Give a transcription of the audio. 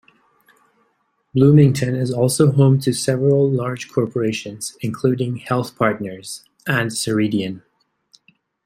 Bloomington is also home to several large corporations, including HealthPartners and Ceridian.